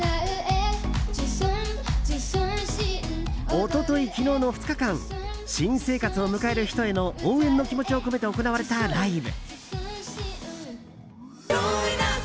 一昨日、昨日の２日間新生活を迎える人への応援の気持ちを込めて行われたライブ。